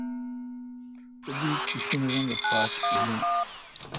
تو دی کیݭن رنگہ پاج این اؘ۔